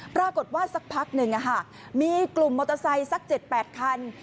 ปรากฏว่าสักพักหนึ่งมีกลุ่มมอเตอร์ไซสัก๗๘คัน